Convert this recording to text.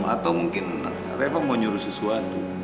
atau mungkin revo mau nyuruh sesuatu